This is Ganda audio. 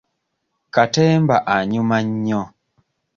Katemba anyuma nnyo.